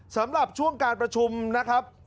สำหรับช่วงการประชุมนะครับ